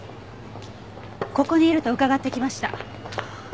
ここにいると伺って来ました。